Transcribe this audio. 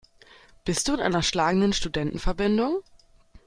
Bist du in einer schlagenden Studentenverbindung?